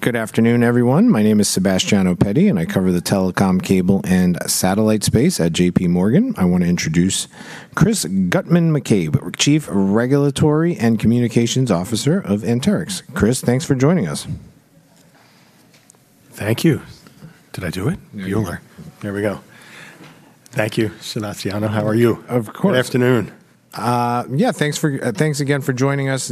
Good afternoon, everyone. My name is Sebastiano Petti, and I cover the Telecom Cable and Satellite Space at JPMorgan. I want to introduce Chris Guttman-McCabe, Chief Regulatory and Communications Officer of Anterix. Chris, thanks for joining us. Thank you. Did I do it? You are. There we go. Thank you, Sebastiano. How are you? Of course. Good afternoon. Yeah, thanks again for joining us.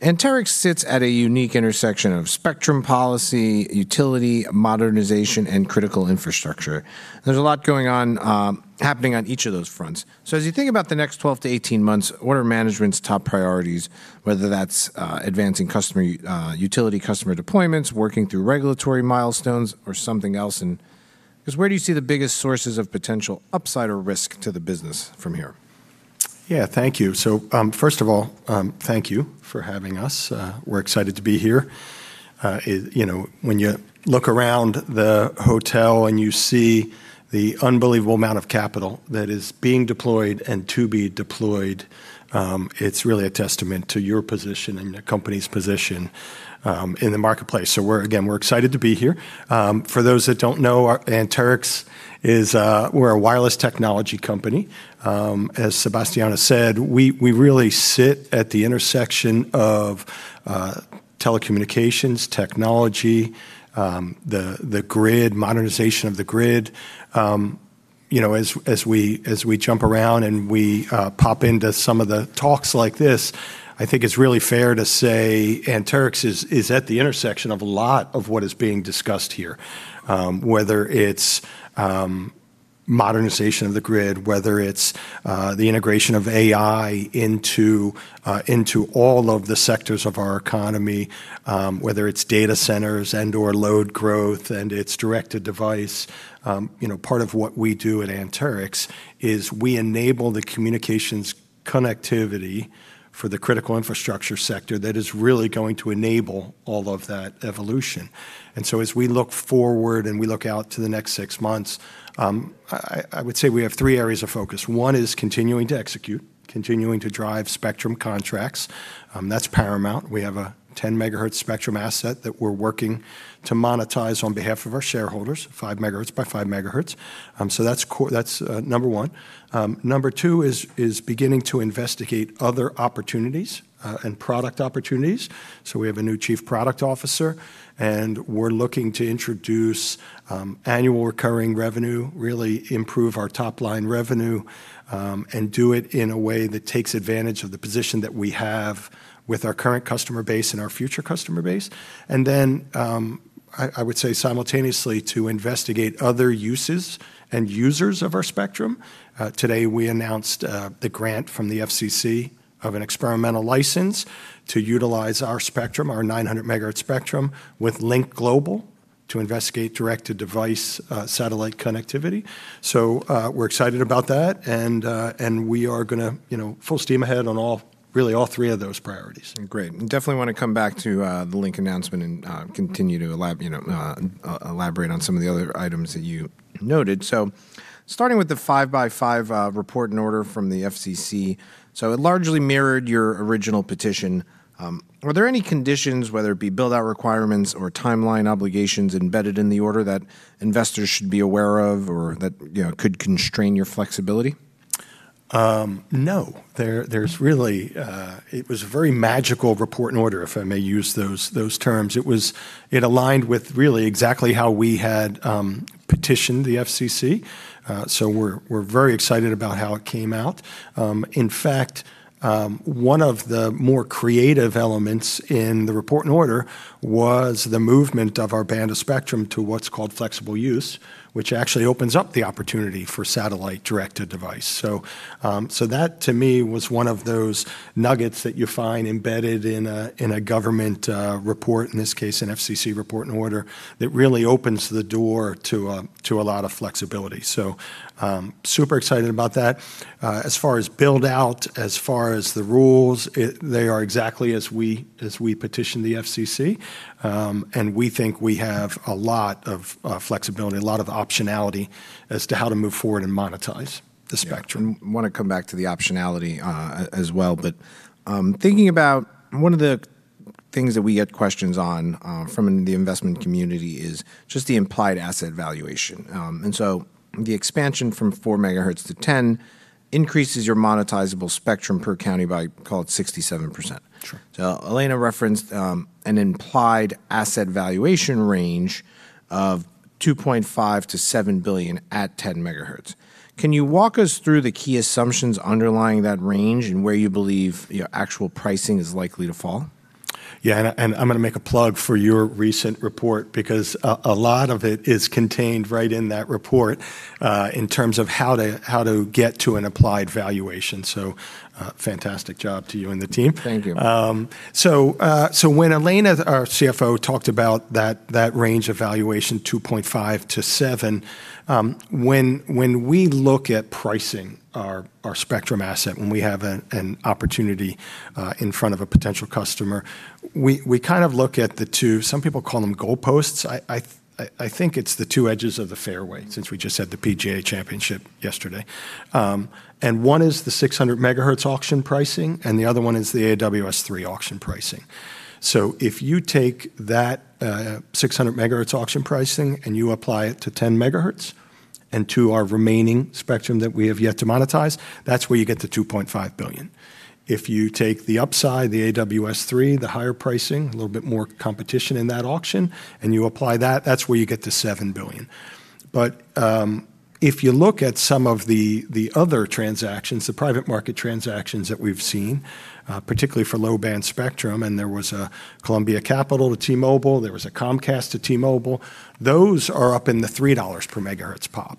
Anterix sits at a unique intersection of spectrum policy, utility, modernization, and critical infrastructure. There's a lot going on, happening on each of those fronts. As you think about the next 12 months-18 months, what are management's top priorities, whether that's advancing customer utility customer deployments, working through regulatory milestones, or something else? I guess, where do you see the biggest sources of potential upside or risk to the business from here? Yeah. Thank you. First of all, thank you for having us, we are excited to be here. You know, when you look around the hotel and you see the unbelievable amount of capital that is being deployed and to be deployed, it's really a testament to your position and your company's position in the marketplace. We're, again, we're excited to be here. For those that don't know, Anterix is, we're a wireless technology company. As Sebastiano said, we really sit at the intersection of telecommunications, technology, the grid, modernization of the grid. You know, as we, as we jump around and we pop into some of the talks like this, I think it's really fair to say Anterix is at the intersection of a lot of what is being discussed here, whether it's modernization of the grid, whether it's the integration of AI into all of the sectors of our economy, whether it's data centers and/or load growth, and it's direct-to-device. You know, part of what we do at Anterix is we enable the communications connectivity for the critical infrastructure sector that is really going to enable all of that evolution. As we look forward and we look out to the next six months, I would say we have three areas of focus. One is continuing to execute, continuing to drive spectrum contracts, that's paramount. We have a 10 MHz spectrum asset that we're working to monetize on behalf of our shareholders, 5 MHz by 5 MHz. That's number one. Number two is beginning to investigate other opportunities and product opportunities, we have a new chief product officer, and we're looking to introduce annual recurring revenue, really improve our top-line revenue, and do it in a way that takes advantage of the position that we have with our current customer base and our future customer base. I would say simultaneously to investigate other uses and users of our spectrum. Today, we announced the grant from the FCC of an experimental license to utilize our spectrum, our 900 MHz spectrum, with Lynk Global to investigate direct-to-device satellite connectivity. We're excited about that, and we are gonna, you know, full steam ahead on all, really all three of those priorities. Great. Definitely want to come back to the Lynk announcement and continue to elaborate on some of the other items that you noted. Starting with the 5 MHz by 5 MHz Report and Order from the FCC, so it largely mirrored your original petition. Were there any conditions, whether it be build-out requirements or timeline obligations embedded in the order that investors should be aware of or that, you know, could constrain your flexibility? No. There, there's really, it was a very magical Report and Order, if I may use those terms. It was, it aligned with really exactly how we had petitioned the FCC, we're very excited about how it came out. In fact, one of the more creative elements in the Report and Order was the movement of our band of spectrum to what's called flexible use, which actually opens up the opportunity for satellite direct-to-device. That to me was one of those nuggets that you find embedded in a, in a government report, in this case, an FCC Report and Order, that really opens the door to a lot of flexibility. Super excited about that. As far as build-out, as far as the rules, they are exactly as we petitioned the FCC. We think we have a lot of flexibility, a lot of optionality as to how to move forward and monetize the spectrum. Yeah. Wanna come back to the optionality as well. Thinking about one of the things that we get questions on from the investment community is just the implied asset valuation. The expansion from 4 MHz to 10 MHz increases your monetizable spectrum per county by, call it, 67%. Sure. Elena referenced an implied asset valuation range of $2.5 billion-$7 billion at 10 MHz. Can you walk us through the key assumptions underlying that range and where you believe, you know, actual pricing is likely to fall? I'm gonna make a plug for your recent report because a lot of it is contained right in that report in terms of how to get to an applied valuation, fantastic job to you and the team. Thank you. When Elena, our CFO, talked about that range of valuation, $2.5 billion-$7 billion, when we look at pricing our spectrum asset, when we have an opportunity in front of a potential customer, we kind of look at the two, some people call them goalposts. I think it's the two edges of the fairway since we just had the PGA Championship yesterday. One is the 600 MHz auction pricing, and the other one is the AWS-3 auction pricing. If you take that 600 MHz auction pricing and you apply it to 10 MHz and to our remaining spectrum that we have yet to monetize, that's where you get the $2.5 billion. If you take the upside, the AWS-3, the higher pricing, a little bit more competition in that auction, and you apply that's where you get the $7 billion. If you look at some of the other transactions, the private market transactions that we've seen, particularly for low-band spectrum, and there was a Columbia Capital to T-Mobile, there was a Comcast to T-Mobile, those are up in the $3 per MHz-POP.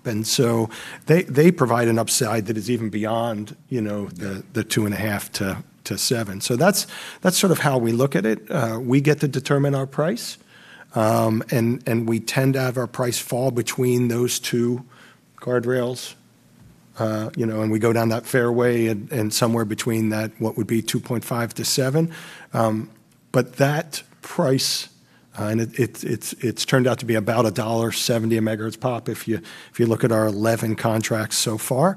They provide an upside that is even beyond, you know, the $2.5 billion-$7 billion. That's sort of how we look at it. We get to determine our price, and we tend to have our price fall between those two guardrails, you know, and we go down that fairway, somewhere between that, what would be $2.5 billion-$7 billion. That price, and it's, it's turned out to be about $1.70 a MHz-POP if you, if you look at our 11 contracts so far.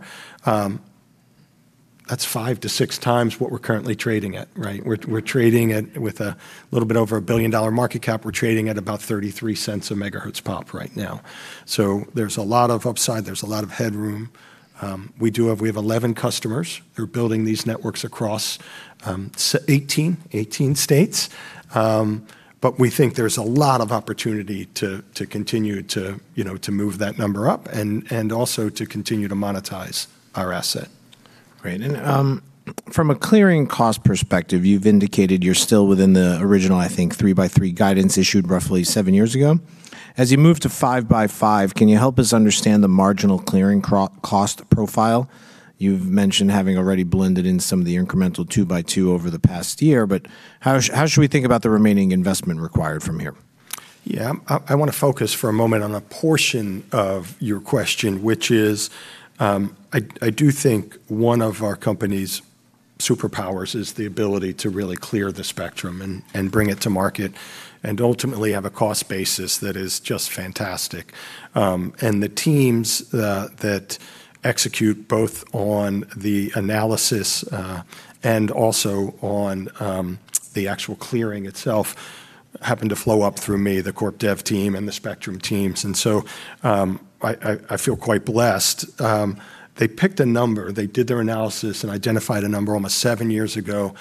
That's five to six times what we're currently trading at, right? We're trading at, with a little bit over a $1 billion market cap, we're trading at about $0.33 a MHz-POP right now. There's a lot of upside, there's a lot of headroom. We do have, we have 11 customers who are building these networks across 18 states. We think there's a lot of opportunity to continue to, you know, to move that number up and also to continue to monetize our asset. Great. From a clearing cost perspective, you've indicated you're still within the original, I think, 3 MHz by 3 MHz guidance issued roughly seven years ago. As you move to 5 MHz by 5 MHz, can you help us understand the marginal clearing cost profile? You've mentioned having already blended in some of the incremental 2 MHz by 2 MHz over the past year, but how should we think about the remaining investment required from here? Yeah. I want to focus for a moment on a portion of your question, which is, I do think one of our company's superpowers is the ability to really clear the spectrum and bring it to market, and ultimately have a cost basis that is just fantastic. The teams that execute both on the analysis and also on the actual clearing itself happen to flow up through me, the corp dev team and the spectrum teams. I feel quite blessed. They picked a number. They did their analysis and identified a number almost seven years ago,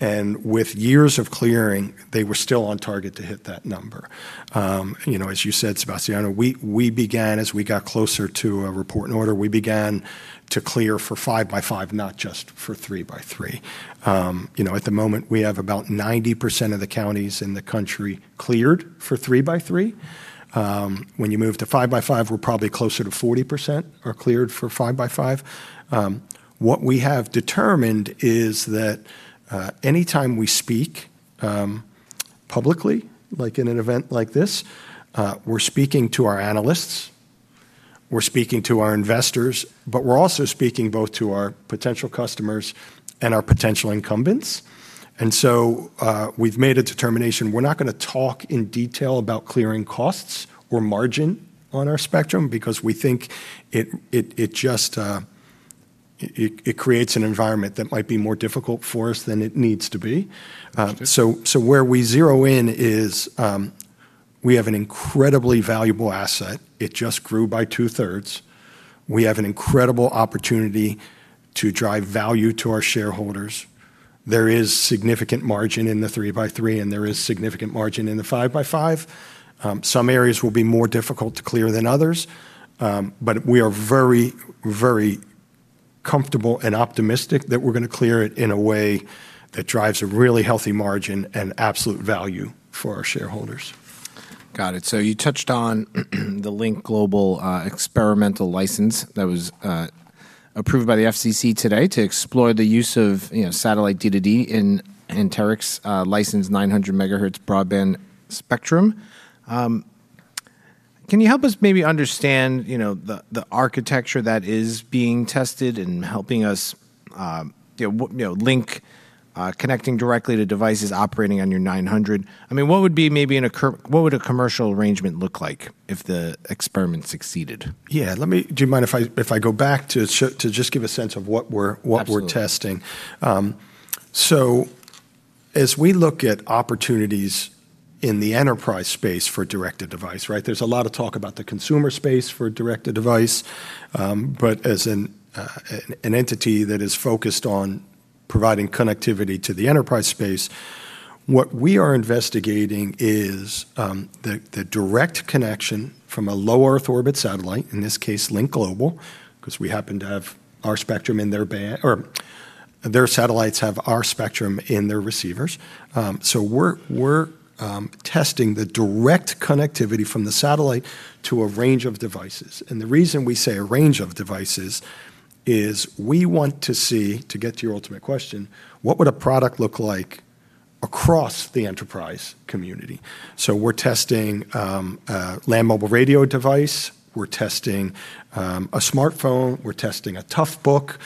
and with years of clearing, they were still on target to hit that number. You know, as you said, Sebastiano, we began, as we got closer to a Report and Order, we began to clear for 5 MHz by 5 MHz, not just for 3 MHz by 3 MHz. You know, at the moment, we have about 90% of the counties in the country cleared for 3 MHz by 3 MHz. When you move to 5 MHz by 5 MHz, we're probably closer to 40% are cleared for 5 MHz by 5 MHz. What we have determined is that, anytime we speak, publicly, like in an event like this, we're speaking to our analysts, we're speaking to our investors, but we're also speaking both to our potential customers and our potential incumbents. We've made a determination. We're not gonna talk in detail about clearing costs or margin on our spectrum because we think it just creates an environment that might be more difficult for us than it needs to be. Where we zero in is, we have an incredibly valuable asset. It just grew by 2/3. We have an incredible opportunity to drive value to our shareholders. There is significant margin in the 3 MHz by 3 MHz, there is significant margin in the 5 MHz by 5 MHz. Some areas will be more difficult to clear than others, we are very comfortable and optimistic that we're gonna clear it in a way that drives a really healthy margin and absolute value for our shareholders. Got it. You touched on the Lynk Global experimental license that was approved by the FCC today to explore the use of satellite D2D in Anterix's licensed 900 MHz broadband spectrum. Can you help us maybe understand the architecture that is being tested and helping us link connecting directly to devices operating on your 900 MHz? I mean, what would be maybe what would a commercial arrangement look like if the experiment succeeded? Yeah, let me Do you mind if I go back to just give a sense of what we're- Absolutely.... what we're testing? As we look at opportunities in the enterprise space for direct-to-device, right? There's a lot of talk about the consumer space for direct-to-device, but as an entity that is focused on providing connectivity to the enterprise space, what we are investigating is the direct connection from a low Earth orbit satellite, in this case Lynk Global, because we happen to have our spectrum in their band or their satellites have our spectrum in their receivers. We're testing the direct connectivity from the satellite to a range of devices. The reason we say a range of devices is we want to see, to get to your ultimate question, what would a product look like across the enterprise community? We're testing a land mobile radio device, we're testing a smartphone, we're testing a Toughbook,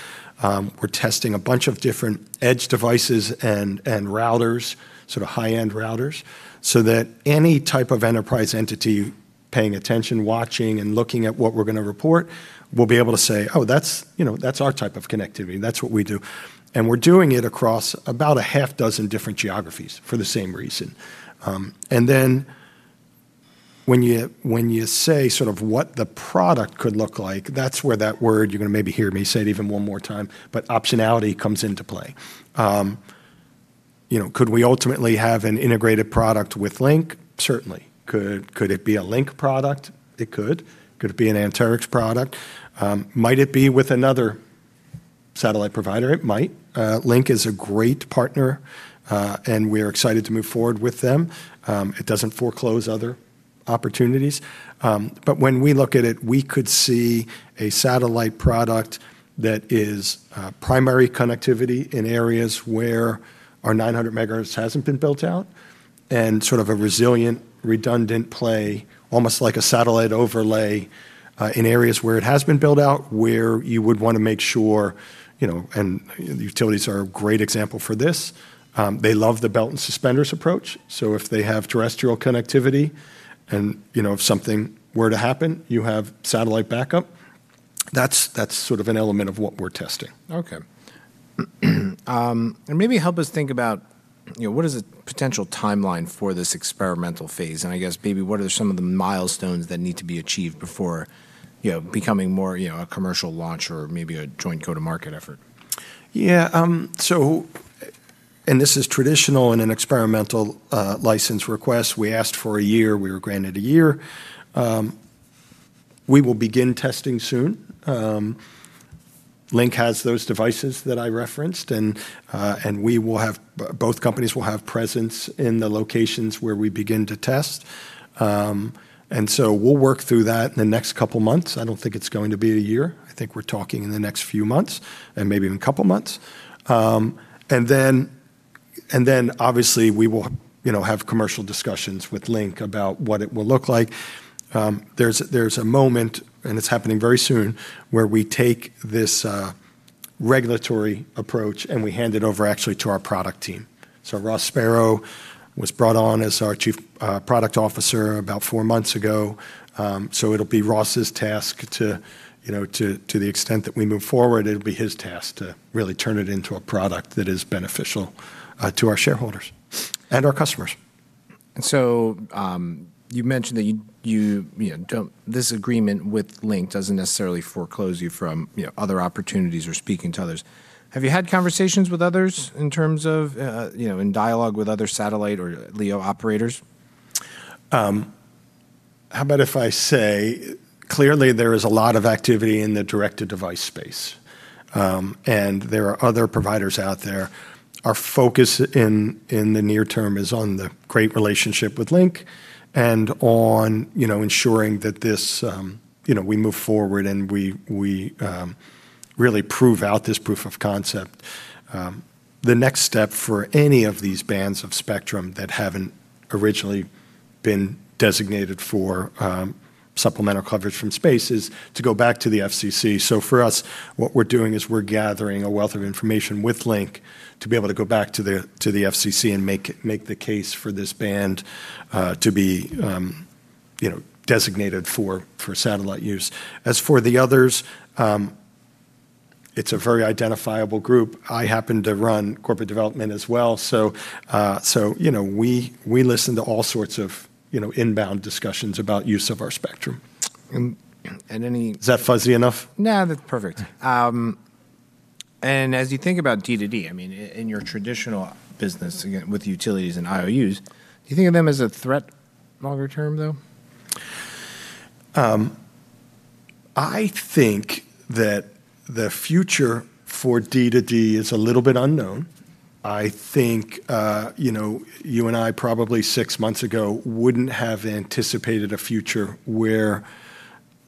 we're testing a bunch of different edge devices and routers, sort of high-end routers, so that any type of enterprise entity paying attention, watching, and looking at what we're gonna report will be able to say, "Oh, that's, you know, that's our type of connectivity. That's what we do." We're doing it across about a half dozen different geographies for the same reason. When you say sort of what the product could look like, that's where that word, you're gonna maybe hear me say it even one more time, optionality comes into play. You know, could we ultimately have an integrated product with Lynk? Certainly. Could it be a Lynk product? It could. Could it be an Anterix product? Might it be with another satellite provider? It might. Lynk is a great partner, and we're excited to move forward with them. It doesn't foreclose other opportunities. But when we look at it, we could see a satellite product that is primary connectivity in areas where our 900 MHz hasn't been built out, and sort of a resilient, redundant play, almost like a satellite overlay, in areas where it has been built out, where you would want to make sure, you know, and utilities are a great example for this. They love the belt and suspenders approach, so if they have terrestrial connectivity and, you know, if something were to happen, you have satellite backup. That's sort of an element of what we're testing. Okay. Maybe help us think about, you know, what is a potential timeline for this experimental phase, and I guess maybe what are some of the milestones that need to be achieved before, you know, becoming more, you know, a commercial launch or maybe a joint go-to-market effort? This is traditional in an experimental license request, we asked for one year, we were granted one year. We will begin testing soon. Lynk has those devices that I referenced, and both companies will have presence in the locations where we begin to test. We'll work through that in the next couple months. I don't think it's going to be one year. I think we're talking in the next few months, and maybe even couple months. Obviously we will, you know, have commercial discussions with Lynk about what it will look like. There's a moment, and it's happening very soon, where we take this regulatory approach, and we hand it over actually to our product team. Ross Spero was brought on as our Chief Product Officer about four months ago. It'll be Ross's task to, you know, to the extent that we move forward, it'll be his task to really turn it into a product that is beneficial to our shareholders and our customers. You mentioned that you know, this agreement with Lynk doesn't necessarily foreclose you from, you know, other opportunities or speaking to others. Have you had conversations with others in terms of, you know, in dialogue with other satellite or LEO operators? How about if I say clearly there is a lot of activity in the direct-to-device space, and there are other providers out there. Our focus in the near term is on the great relationship with Lynk and on, you know, ensuring that this, you know, we move forward and we really prove out this proof of concept. The next step for any of these bands of spectrum that haven't originally been designated for, supplemental coverage from space is to go back to the FCC. For us, what we're doing is we're gathering a wealth of information with Lynk to be able to go back to the FCC and make the case for this band, to be, you know, designated for satellite use. As for the others, it's a very identifiable group. I happen to run corporate development as well, so, you know, we listen to all sorts of, you know, inbound discussions about use of our spectrum. And, and any... Is that fuzzy enough? No, that's perfect. As you think about D2D, I mean in your traditional business with utilities and IOUs, do you think of them as a threat longer term though? I think that the future for D2D is a little bit unknown. I think, you know, you and I probably six months ago wouldn't have anticipated a future where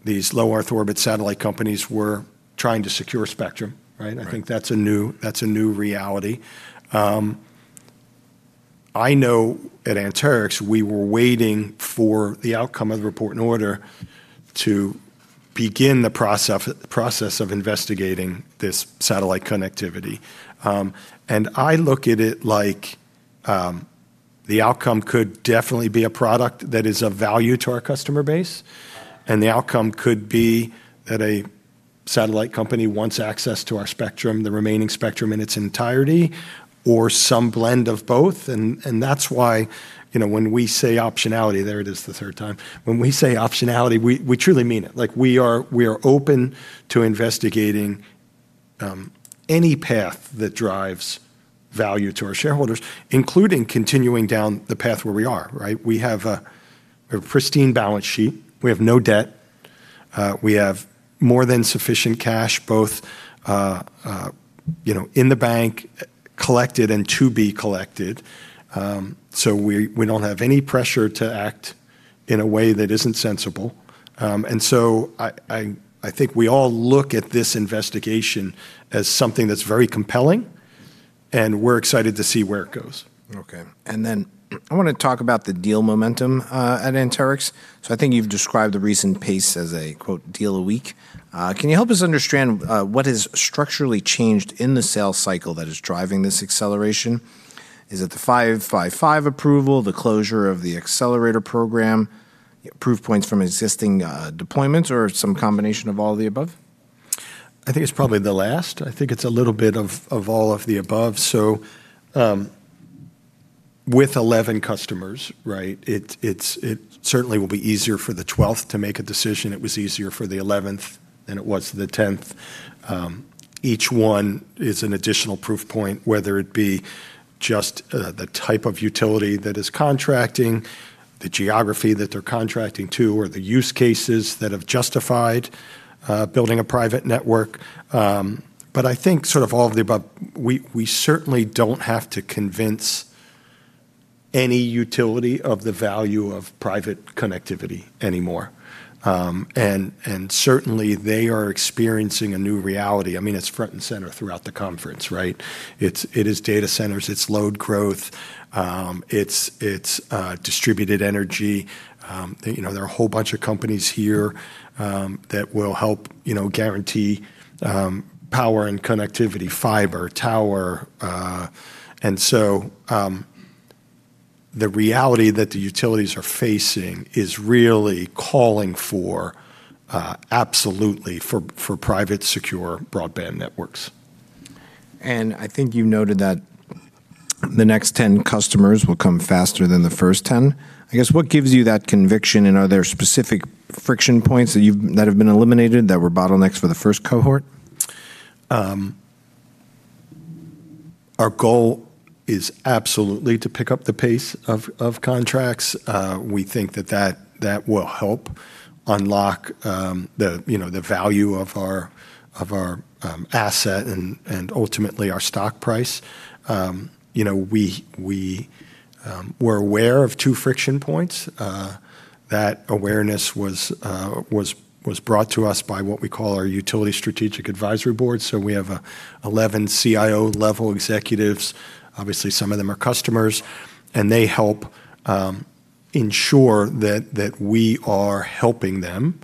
these low Earth orbit satellite companies were trying to secure spectrum, right? Right. I think that's a new reality. I know at Anterix we were waiting for the outcome of the Report and Order to begin the process of investigating this satellite connectivity. I look at it like, the outcome could definitely be a product that is of value to our customer base, and the outcome could be that a satellite company wants access to our spectrum, the remaining spectrum in its entirety, or some blend of both. That's why, you know, when we say optionality, there it is the third time. When we say optionality, we truly mean it. Like we are open to investigating any path that drives value to our shareholders, including continuing down the path where we are, right? We have a pristine balance sheet. We have no debt. We have more than sufficient cash, both, you know, in the bank, collected and to be collected. We don't have any pressure to act in a way that isn't sensible. I think we all look at this investigation as something that's very compelling, and we're excited to see where it goes. Okay. I want to talk about the deal momentum at Anterix. I think you've described the recent pace as a, quote, "deal a week." Can you help us understand what has structurally changed in the sales cycle that is driving this acceleration? Is it the 5 MHz by 5 MHz approval, the closure of the AnterixAccelerator program, approved points from existing deployments, or some combination of all of the above? I think it's probably the last. I think it's a little bit of all of the above. With 11 customers, right, it certainly will be easier for the 12th to make a decision. It was easier for the 11th than it was the 10th. Each one is an additional proof point, whether it be just the type of utility that is contracting, the geography that they're contracting to, or the use cases that have justified building a private network. I think sort of all of the above, we certainly don't have to convince any utility of the value of private connectivity anymore. Certainly they are experiencing a new reality. I mean, it's front and center throughout the conference, right? It is data centers, it's load growth, it's distributed energy. You know, there are a whole bunch of companies here, that will help, you know, guarantee, power and connectivity, fiber, tower. The reality that the utilities are facing is really calling for, absolutely for private, secure broadband networks. I think you noted that the next 10 customers will come faster than the first 10. I guess, what gives you that conviction, and are there specific friction points that have been eliminated that were bottlenecks for the first cohort? Our goal is absolutely to pick up the pace of contracts. We think that will help unlock, you know, the value of our asset and ultimately our stock price. You know, we were aware of two friction points. That awareness was brought to us by what we call our Utility Strategic Advisory Board. We have 11 CIO-level executives, obviously some of them are customers, and they help ensure that we are helping them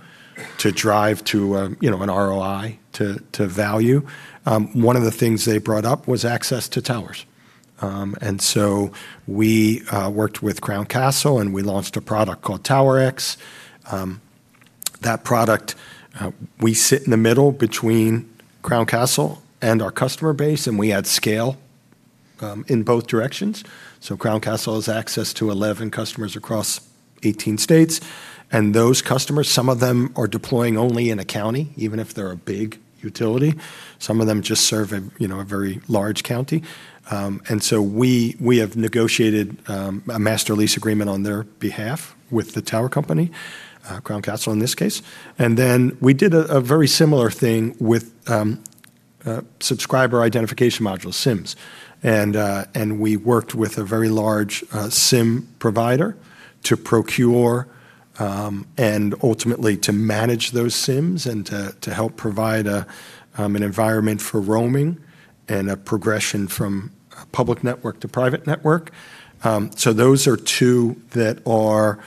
to drive to, you know, an ROI to value. One of the things they brought up was access to towers. We worked with Crown Castle, we launched a product called TowerX. That product, we sit in the middle between Crown Castle and our customer base, we add scale in both directions. Crown Castle has access to 11 customers across 18 states, those customers, some of them are deploying only in a county, even if they're a big utility. Some of them just serve a, you know, a very large county. We, we have negotiated a master lease agreement on their behalf with the tower company, Crown Castle in this case. We did a very similar thing with subscriber identification modules, SIMs. We worked with a very large SIM provider to procure and ultimately to manage those SIMs and to help provide an environment for roaming and a progression from public network to private network. Those are two that are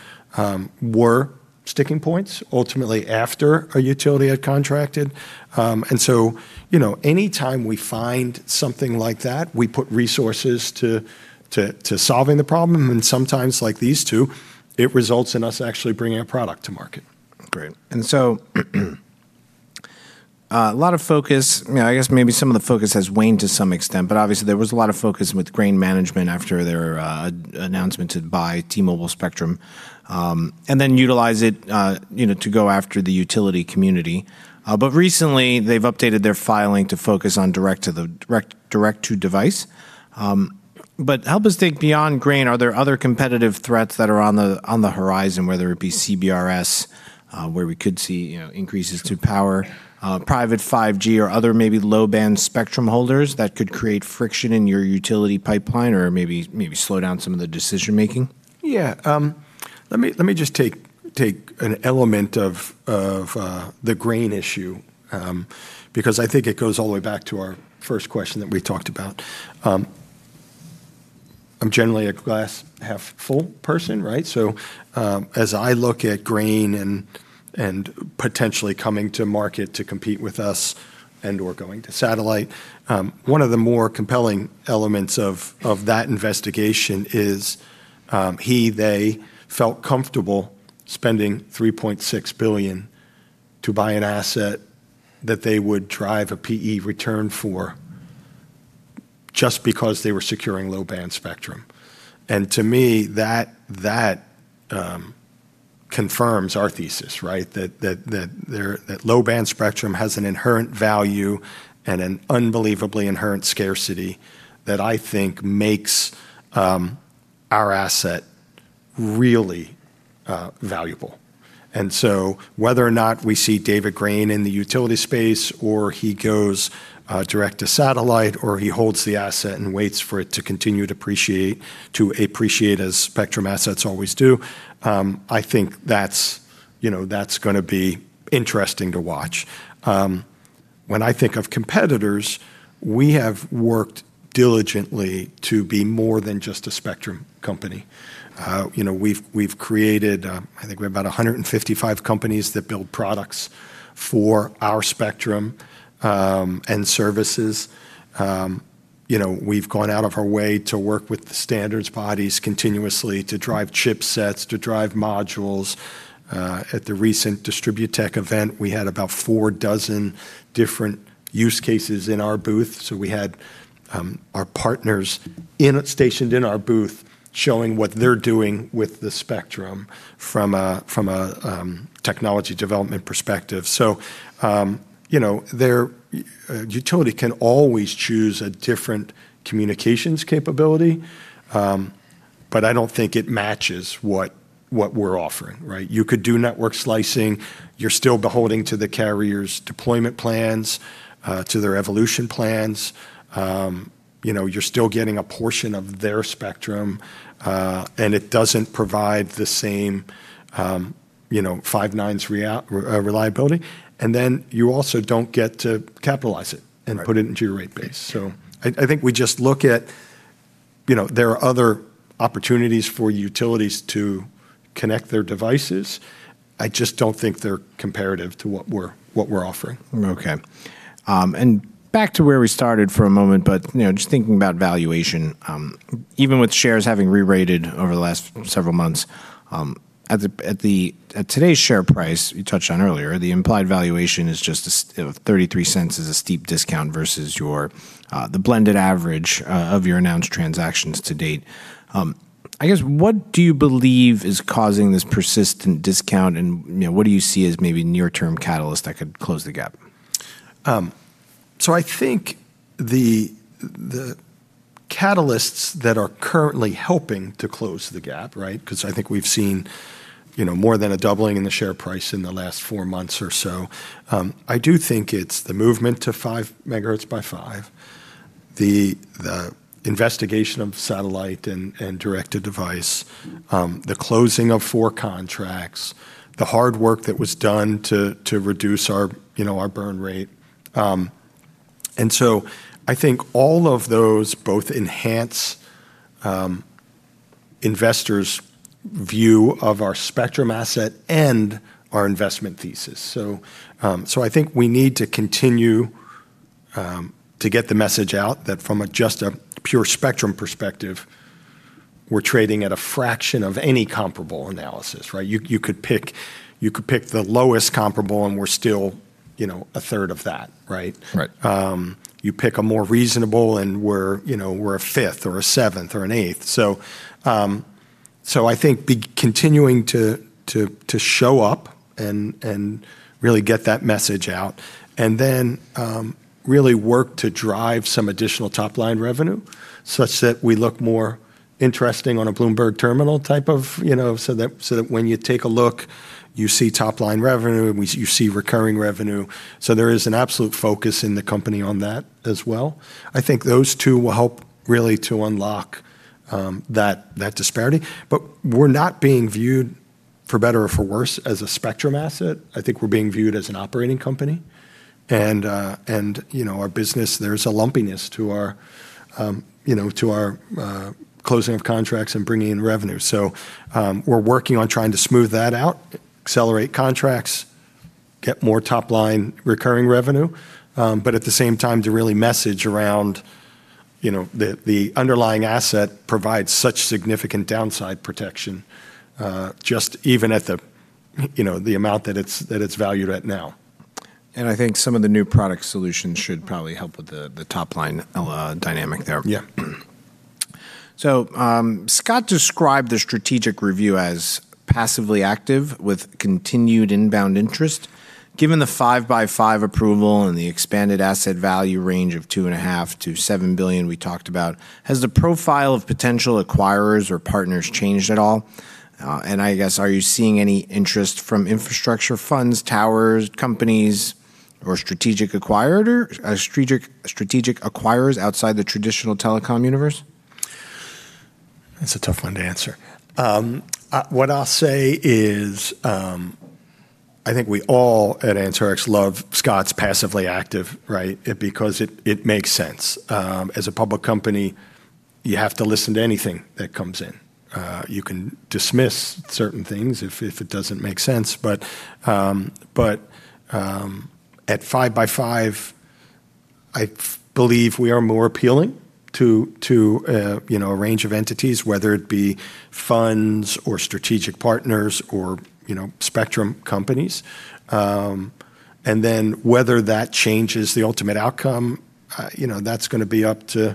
were sticking points ultimately after a utility had contracted. You know, anytime we find something like that, we put resources to solving the problem, and sometimes like these two, it results in us actually bringing a product to market. Great. A lot of focus, I mean, I guess maybe some of the focus has waned to some extent, but obviously there was a lot of focus with Grain Management after their announcement to buy T-Mobile spectrum, and then utilize it, you know, to go after the utility community. Recently they've updated their filing to focus on direct-to-device. Help us think beyond Grain. Are there other competitive threats that are on the horizon, whether it be CBRS, where we could see, you know, increases to power private 5G or other maybe low-band spectrum holders that could create friction in your utility pipeline or maybe slow down some of the decision-making? Yeah. Let me just take an element of the Grain issue, because I think it goes all the way back to our first question that we talked about. I'm generally a glass-half-full person, right? As I look at Grain and potentially coming to market to compete with us and/or going to satellite, one of the more compelling elements of that investigation is, he, they felt comfortable spending $3.6 billion to buy an asset that they would drive a PE return for just because they were securing low-band spectrum. To me, that confirms our thesis, right? That their, that low-band spectrum has an inherent value and an unbelievably inherent scarcity that I think makes our asset really valuable. Whether or not we see David Grain in the utility space or he goes direct to satellite or he holds the asset and waits for it to continue to appreciate as spectrum assets always do, I think that's, you know, that's gonna be interesting to watch. When I think of competitors, we have worked diligently to be more than just a spectrum company. You know, we've created, I think we have about 155 companies that build products for our spectrum and services. You know, we've gone out of our way to work with the standards bodies continuously to drive chipsets, to drive modules. At the recent DistribuTECH event, we had about four dozen different use cases in our booth. We had our partners in, stationed in our booth showing what they're doing with the spectrum from a technology development perspective. You know, their utility can always choose a different communications capability, but I don't think it matches what we're offering, right? You could do network slicing. You're still beholding to the carrier's deployment plans, to their evolution plans. You know, you're still getting a portion of their spectrum, and it doesn't provide the same, you know, five-nines reliability. You also don't get to capitalize it. Right. Put it into your rate base. I think we just look at, you know, there are other opportunities for utilities to connect their devices. I just don't think they're comparative to what we're offering. Okay. Back to where we started for a moment, just thinking about valuation, even with shares having rerated over the last several months, at today's share price, you touched on earlier, the implied valuation is just of $0.33 is a steep discount versus your the blended average of your announced transactions to date. What do you believe is causing this persistent discount and what do you see as maybe near-term catalyst that could close the gap? I think the catalysts that are currently helping to close the gap, right? Because I think we've seen, you know, more than a doubling in the share price in the last four months or so. I do think it's the movement to 5 MHz by 5 MHz, the investigation of satellite and direct-to-device. The closing of four contracts, the hard work that was done to reduce our, you know, our burn rate. I think all of those both enhance investors' view of our spectrum asset and our investment thesis. I think we need to continue to get the message out that from a just a pure spectrum perspective, we're trading at a fraction of any comparable analysis, right? You could pick the lowest comparable, and we're still, you know, a third of that, right? Right. You pick a more reasonable, and we're, you know, we're a fifth or a seventh or an eighth. I think be continuing to show up and really get that message out, and then really work to drive some additional top-line revenue such that we look more interesting on a Bloomberg terminal type of, you know, so that when you take a look, you see top-line revenue, and you see recurring revenue. There is an absolute focus in the company on that as well. I think those two will help really to unlock that disparity. We're not being viewed, for better or for worse, as a spectrum asset. I think we're being viewed as an operating company. Right. You know, our business, there's a lumpiness to our, you know, to our closing of contracts and bringing in revenue. We're working on trying to smooth that out, accelerate contracts, get more top-line recurring revenue, but at the same time to really message around, you know, the underlying asset provides such significant downside protection, just even at the, you know, the amount that it's, that it's valued at now. I think some of the new product solutions should probably help with the top-line dynamic there. Yeah. Scott described the strategic review as passively active with continued inbound interest. Given the 5 MHz by 5 MHz approval and the expanded asset value range of $2.5 billion-$7 billion we talked about, has the profile of potential acquirers or partners changed at all? I guess, are you seeing any interest from infrastructure funds, towers, companies, or strategic acquirers outside the traditional telecom universe? That's a tough one to answer. What I'll say is, I think we all at Anterix love Scott's passively active, right? Because it makes sense. As a public company, you have to listen to anything that comes in. You can dismiss certain things if it doesn't make sense. At 5 MHz by 5 MHz, I believe we are more appealing to, you know, a range of entities, whether it be funds or strategic partners or, you know, spectrum companies. Whether that changes the ultimate outcome, you know, that's gonna be up to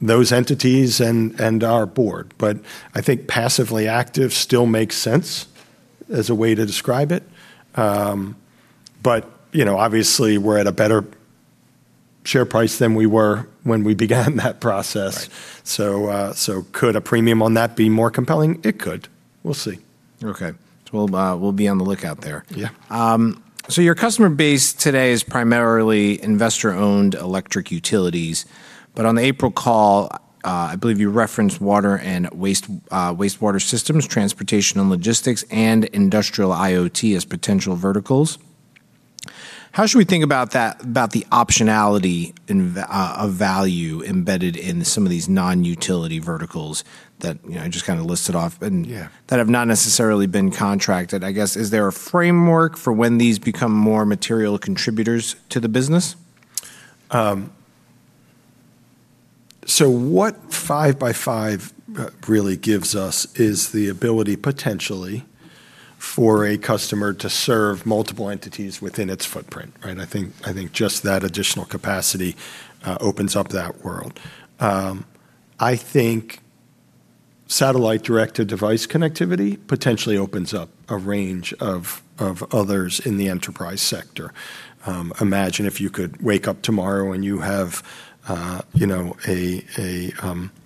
those entities and our board. I think passively active still makes sense as a way to describe it. You know, obviously we're at a better share price than we were when we began that process. Right. Could a premium on that be more compelling? It could. We'll see. Okay. We'll be on the lookout there. Yeah. Your customer base today is primarily investor-owned electric utilities. On the April call, I believe you referenced water and waste, wastewater systems, transportation and logistics, and industrial IoT as potential verticals. How should we think about that, about the optionality of value embedded in some of these non-utility verticals that I just kind of listed off? Yeah. That have not necessarily been contracted? I guess, is there a framework for when these become more material contributors to the business? What 5 MHz by 5 MHz really gives us is the ability potentially for a customer to serve multiple entities within its footprint, right? I think just that additional capacity opens up that world. I think satellite-directed device connectivity potentially opens up a range of others in the enterprise sector. Imagine if you could wake up tomorrow and you have, you know, a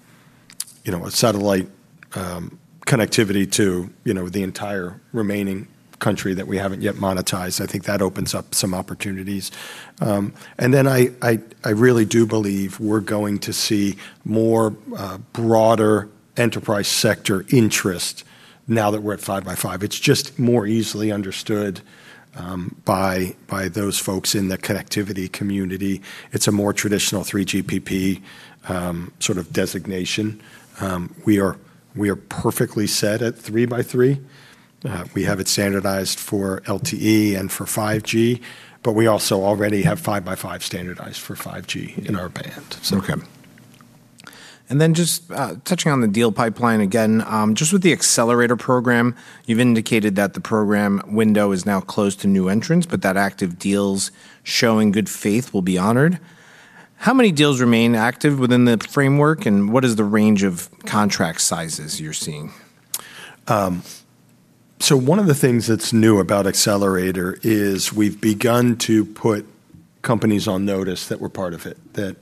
satellite connectivity to, you know, the entire remaining country that we haven't yet monetized. I think that opens up some opportunities. And then I really do believe we're going to see more broader enterprise sector interest now that we're at 5 MHz by 5 MHz. It's just more easily understood by those folks in the connectivity community. It's a more traditional 3GPP sort of designation. We are perfectly set at 3 MHz by 3 MHz. We have it standardized for LTE and for 5G, but we also already have 5 MHz by 5 MHz standardized for 5G in our band. Okay. Just touching on the deal pipeline again, just with the AnterixAccelerator program, you've indicated that the program window is now closed to new entrants, but that active deals showing good faith will be honored. How many deals remain active within the framework, and what is the range of contract sizes you're seeing? So one of the things that's new about AnterixAccelerator is we've begun to put companies on notice that were part of it, that,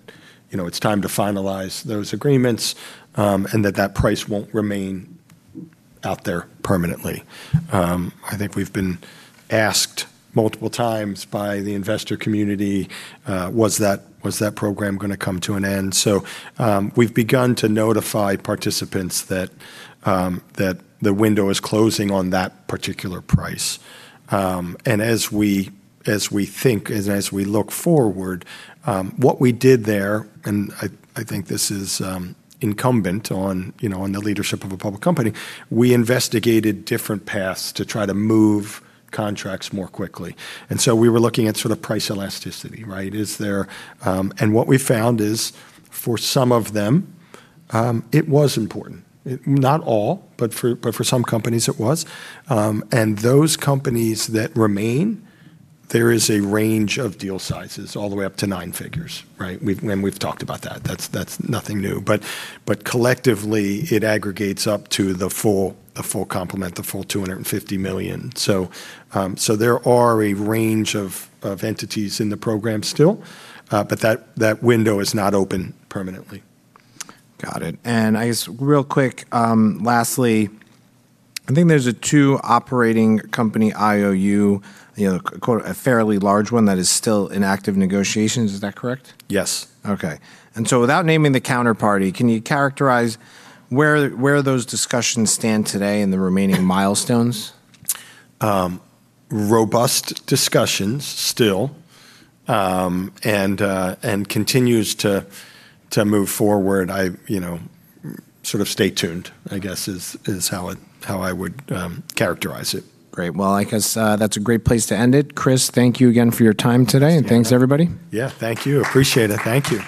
you know, it's time to finalize those agreements, and that that price won't remain out there permanently. I think we've been asked multiple times by the investor community, was that program gonna come to an end? We've begun to notify participants that the window is closing on that particular price. As we, as we think and as we look forward, what we did there, and I think this is incumbent on, you know, on the leadership of a public company, we investigated different paths to try to move contracts more quickly. We were looking at sort of price elasticity, right? What we found is for some of them, it was important. Not all, but for some companies it was. Those companies that remain, there is a range of deal sizes all the way up to 9 figures, right? We've talked about that. That's nothing new. Collectively, it aggregates up to the full complement, the full $250 million. There are a range of entities in the program still, but that window is not open permanently. Got it. I guess real quick, lastly, I think there's a two operating company IOU, you know, a fairly large one that is still in active negotiations. Is that correct? Yes. Okay. Without naming the counterparty, can you characterize where those discussions stand today and the remaining milestones? Robust discussions still, and continues to move forward. I, you know, sort of stay tuned, I guess is how it how I would characterize it. Great. Well, I guess, that's a great place to end it. Chris, thank you again for your time today. Thanks for having me. Thanks, everybody. Yeah. Thank you. Appreciate it. Thank you.